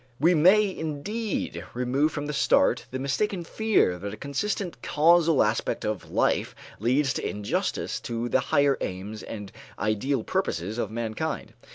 We may, indeed, remove from the start the mistaken fear that a consistent causal aspect of life leads to injustice to the higher aims and ideal purposes of mankind.